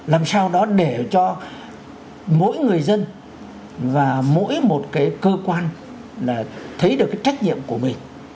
làm sao đó để cho mỗi người dân và mỗi một cái cơ quan là thấy được cái trách nhiệm của mình